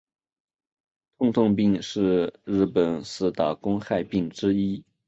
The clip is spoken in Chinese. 痛痛病是日本四大公害病之一。